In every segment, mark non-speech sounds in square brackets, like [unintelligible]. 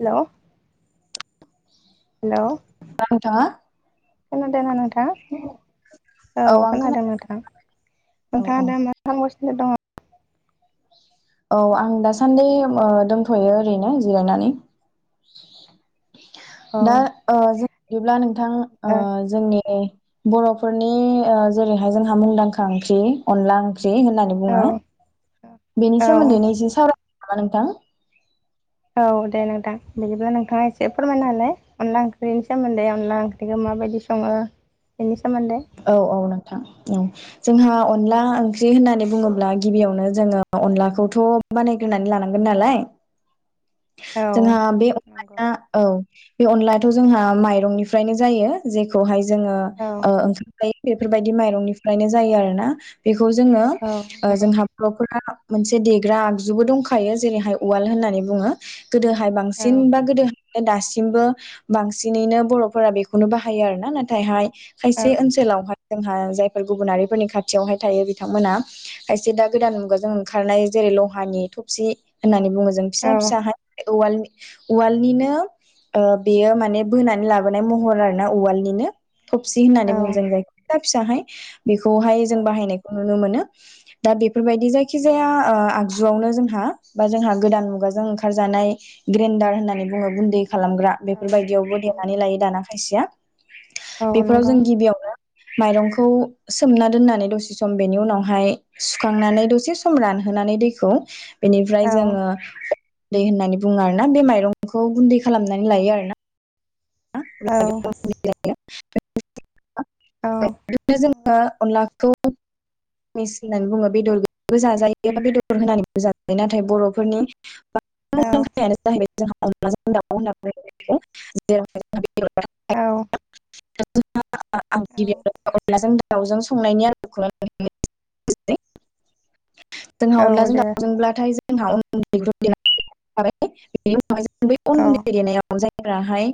हेल' [unintelligible] हेल'। नोंथाङा खोनादों ना नोंथां? औ आं खोना खोनादों नोंथां। औ नोंथाङा औ दा मा खालामगासिनो? दङ औ आं दासान्दि ओ‌ दोंनथ'यो ओरैनो जिरायनानै। ओ दा ओ जों बिदिब्ला नोंथां ओ औ जोंनि बर'फोरनि ओ जेरैहाय जोंह मुंदांखा ओंख्रि अनला ओंख्रि होननानै बुङो बेनि सोमोन्दै औ एसे सावराय नामा नोंथां औ दे नोंथां बिदिब्ला नोंथाङा एसे फोरमायनानै अनला ओंख्रिनि सोमोन्दै अनला ओंख्रिखौ माबायदि सङो बेनि सोमोन्दै औ औ नोंथां। औ जोंहा अनला ओंख्रि होननानै बुङोब्ला गिबियावनो जोङो अनलाखौथ' बानायग्रोनानै लानांगोन नालाय। औ जोंहा बे नंगौ अनलाया औ बे अनलायाथ' जोंहा माइरंनिफ्रायनो जायो जेखौहाय जोङो औ ओं बेफोरबायदि माइरंनिफ्रायनो जायो आरोना। बे खौ जोङो औ ओ नंगौ जोंहा बर'फोरा मोनसे देग्रा आगजुबो दंखायो जेरैहाय उवाल होननानै बुङो। गोदोहाय औ बांसिन बा गोदो दासिमबो बांसिनैनो बर'फोरा बेखौनो बाहायो आरो ना नाथायहाय औ खायसे ओनसो लावहाय जोंहा जायफोर गुबुनारिफोरनि खाथियावहाय थायो बिथांमोना खायसे दा गोदान मुगाजों ओंखारनाय जेरै लहानि थबसि होननानै बुङो। जों औ फिसा फिसाहाय उवालनि उवालनिनो ओ बेयो माने बोनानै लाबोनाय महर आरो ना उवालनिनो थबसि औ होननानै बुंङो। फिसा फिसाहाय, बेखौहाय औ जों बाहायनायखौ नुनो मोनो दा बेफोरबायदि जायखि जाया ओ आगजुआवनो जोंहा बा जोंहा गोदान मुगाजों ओंखारजानाय ग्रेन्डार होननानै बुङो। गुन्दै खालामग्रा बेफोरबायदियावबो नंगौ देनानै लायो दाना खायसेया। औ बेफोराव नंगौ जों गिबियाव माइरंखौ सोमना दोननानै दसे सम बेनि उनावहाय सुखांनानै दसे सम रानहोनानै दैखौ औ बेनिफ्राय जोङो दै होननानै बुङो आरोना बे माइरंखौ गुन्दै खालामनानै लायो आरोना औ [inaudible] [inaudible] नंगौ खौ [unintelligible] होननानै बुङो बेदरबो जाजायो एबा बेदर होनानैबो जाजायो नाथाय बर'फोरनि [inaudible] औ जोंहा अनलाजों दाव होनना [unintelligible] [inaudible] औ [inaudible] जोंहा अनलाजों औ औ दे दाउजोंब्लाथाय जों जोंहा [inaudible] अन्थायजों बै अन औ गुन्दै देनायाव जाय [unintelligible] हाय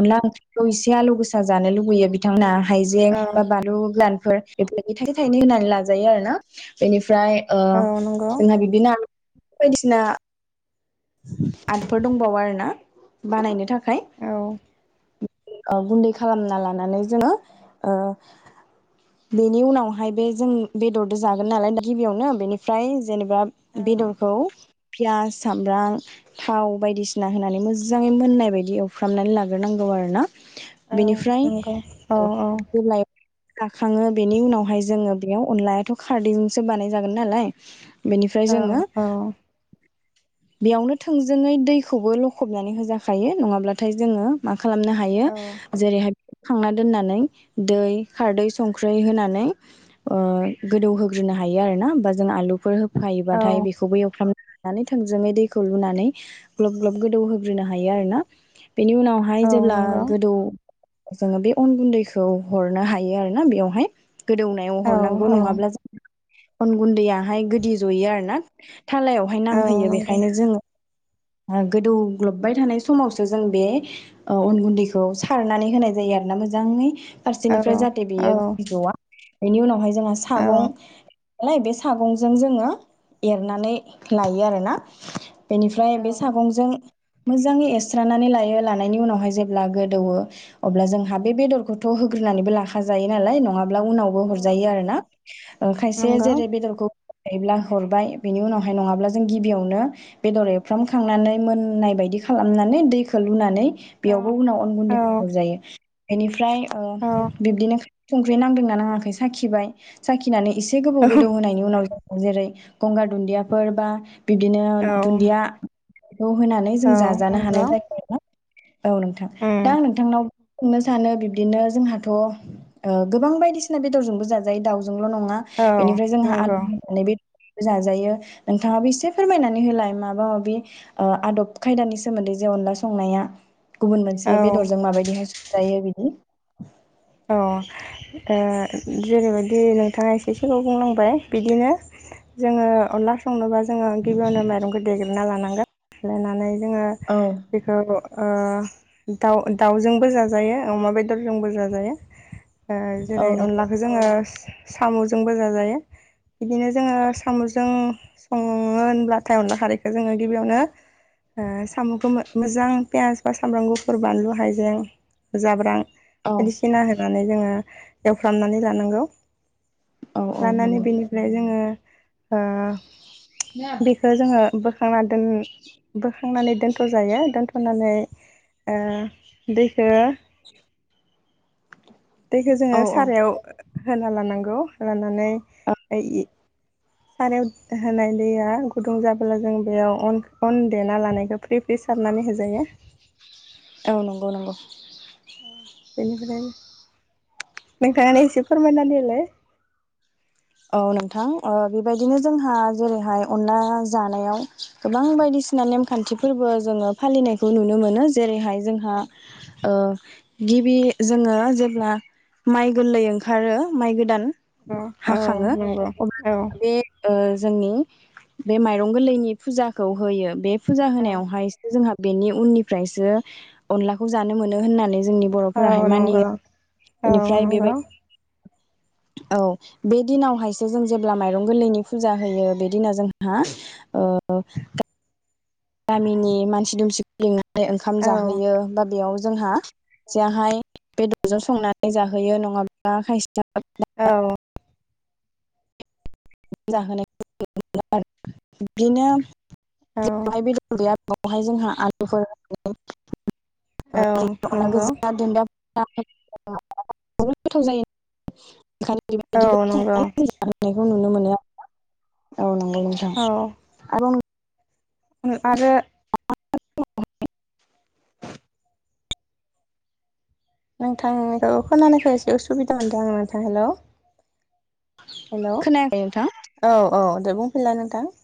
अनला ओंख्रिखौ इसे आलौ गोसा जानो लुुगैयो बिथांमोना हाइजें औ बा बानलु गोरान फोर बेफोरदि थाइनै होनानै लाजायो आरो ना बेनि फ्राय ओ औ नंगौ जोंहा बिदिनो बायदिसिना आटफोर दंबावो आरोना बानायनो था खाय। औ ओ गुन्दै खालामना लानानै जोङो ओ बेनि उनावहाय बे जों बेदरदो जागोन नालाय गिबियावनो बेनिफ्राय जेनेबा औ बेदरखौ पियास, साम ब्रां, थाव बायदिसिना होनानै मोजाङै मोननाय बायदि एवफ्रामनानै लाग्रोनांगौ आरो ना। औ बेनिफ्राय नंगौ औ औ [unintelligible] खाङो बेनि उनावहाय जोङो बेयाव अनलायाथ' खारदैजोंसो बानायजागोन नालाय। बेनिफ्राय जोङो औ बेयावनो थोंजोङै दैखौबो लखबनानै होजाखायो नङाब्लाथाय जोङो मा खालामनो हायो। औ जेरै खांना दोननानै दै खारदै, संख्रै होनानै ओ गोदौहोग्रोनो हायो आरोना बा जों आलुफोर औ होफायोबाथाय बेखौबो एवफ्राम नानै थोंजोङै दैखौ लुनानै ग्लब ग्लब गोदौ होग्रोनो हायो आरो ना। बेनि उनावहाय औ जेब्ला नंगौ गोदौ जोङो बे अन गुन्दैखौ हरनो हायो आरोना बेयावहाय। गोदौनायाव औ हरनांगौ औ नङाब्ला अन गुन्दैआहाय गोदि जयो आरो ना थालायाव। औ होयो नंगौ बेखायनो जोङो गोदौग्लबबाय थानाय समावसो जों बे ओ अन गुन्दैखौ सारनानै होनाय जायो आरोना मोजाङै। औ फारसेनिफ्राय जाहाथे औ बेयो गोदि ज'वा। बेनि उनावहाय जोंहा सागं नालाय बे सागंजों जोङो एरनानै लायो आरो ना। बेनिफ्राय औ बे सागंजों मोजाङै एस्रानानै लायो लानायनि उनावहाय जेब्ला गोदौवो अब्ला जोंहा बे बेदरखौथ' होग्रोनानैबो लाखा जायो नालाय नङा उनावबो हरजायो आरो ना ओ खायसे नंगौ औ जेरै बेदरखौ हायोब्ला हरबाय बेनि उनावहाय नङाब्ला जों गिबि बेयावनो बेदर एवफ्राम खांनानै मोननाय बायदि खालामनानै दैखौ लुनानै बेयावबो उनाव अन गुन्दैखौ हरजायो। बेनिफ्राय औ बिब्दिनो संख्रि नांदोंना नाङाखै साखिबाय साखिनानै एसे गोबाव गोदौ होनाय उनाव जेरै गंगार दुन्दियाफोर बा बिब्दिनो दुन्दिया खौ होनानै जों औ जाजानो नंगौ हानाय जाबाय आरोना। औ नोंथां दा उम नोंथांनाव सोंनो सानो बिब्दिनो जोंहाथ' गोबां बायदिसिना बेदरजोंबो जाजायो दाउ जोंल' नङा औ बेनिफ्राय जोंहा नंगौ आलु होननानै बे जाजायो नोंथाङाबो एसे फोरमायनानै होलाय माबा माबि ओ आदब खायदानि सोमोन्दै जे अनला संनाया गुबुन औ मोनसे बेदरजों माबायदिहाय संजायो बि? [unintelligible] अ ओ जेरैबायदि नोंथाङा एसे सिलाव बुंलांबाय बिदिनो जोङो अनला संनोबा जोङो गिबियावनो माइरंखौ देग्रोना लानां लायनानै जोङो औ बेखौ ओ दाउ दाउजोंबो जाजायो अमा बेदरजोंबो जाजायो। औ जेरै अनलाखौ जोङो साम'जोंबो जाजायो बिदिनो जोङो साम'जों संङो होनब्लाथाय अनला खारैखौ जोङो गिबियावनो ओ साम'खौ मोजां पियास बा सामब्राम गुफुर बानलु हाइजें जाब्रां औ सिना होनानै जोङो एवफ्रामनानै लानांगौ। औ औ लानानै नंगौ बेनिफ्राय जोङो ओ बेखौ जोङो बोखांना दोन बो खांनानै दोन्थ' जायो दोनथ'नानै ओ दैखो दैखौ जोङो औ औ सारायाव होना लानांगौ लानानै औ सारायाव होनाय दैया गुदुं जाबोला जों बेयावन अन देना लानायखौ फ्रि फ्रि सारनानै होजायो। औ नंगौ नंगौ [inaudible] औ नोंथां बेबायदिनो जोंहा जेरैहाय अनला जानायाव गोबां बायदिसिना नेमखान्थि फोरबो जोङो फालिनायखौ नुनो मोनो जेरैहाय जोंहा गिबि जोङो जेब्ला माइ गोरलै ओंखारो माइ गोदान औ औ हाखाङो नंगौ औ अब्ला बे ओ जोंनि बे माइरं गोरलैनि फुजाखौ होयो बे फुजा होनायावहाय जोंहा बेनि उननिफ्रायसो अनलाखौ जानो मोनो मोनो होननानै जोंनि बर'फोराहाय औ नंगौ मानियो औ बेनिफ्राय बेबाय नंगौ औ बे दिनावहायसो जों जेब्ला माइरं गोरलैनि फुजा होयो बे दिनाव जोंहा ओ गामिनि मानसि दुमसिखौ लिंना ओमफ्राय ओंखाम औ जाहोयो बा बेयाव जोंहा जेरावहाय बेदरजों संनानै जाहोयो नङाब्ला खायसेया औ [unintelligible] औ [inaudible] [inaudible] नंगौ [inaudible] [inaudible] औ नंगौ [inaudible] नुनो मोनो आरोना औ औ नंगौ [unintelligible] [inaudible] नोंथांनिखौ खोनानायखौ एसे उसुबिदा मोनदों आं नोंथां हेलौ हेलौ खोनायाखै नोंथां औ औ दे बुं हेलौ नोंथां